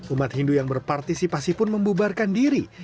umat hindu yang berpartisipasi pun membubarkan diri